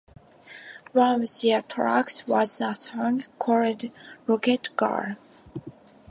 One of their tracks was a song called "Rocket Girl".